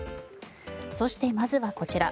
そしてまずはこちら。